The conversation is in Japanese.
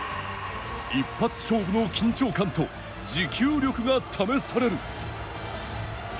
一発勝負の緊張感と持久力が試される。